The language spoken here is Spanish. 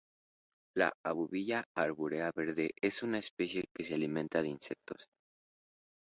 La abubilla arbórea verde es una especie que se alimenta de insectos.